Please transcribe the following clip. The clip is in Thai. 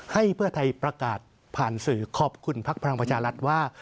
ให้เพื่อไทยประกาศผ่านสื่อขอบคุณพักพลังประชารัฐว่า